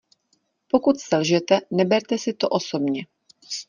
Pokud selžete, neberte si to osobně.